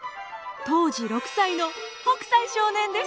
当時６歳の北斎少年です。